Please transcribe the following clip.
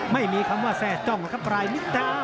ไม่มีคำว่าแซ่จ้องครับปลายมิตรา